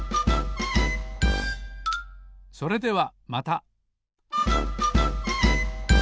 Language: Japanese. それではまた！